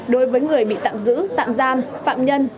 đối với người bị tạm giữ tạm giam phạm nhân